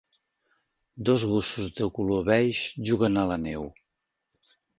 Dos gossos de color beige juguen a la neu